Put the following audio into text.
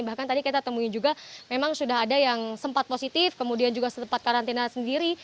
bahkan tadi kita temui juga memang sudah ada yang sempat positif kemudian juga sempat karantina sendiri